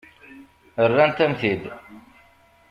Rrant-am-t-id.